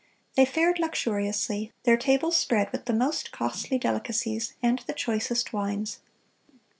They fared luxuriously, their tables spread with the most costly delicacies and the choicest wines.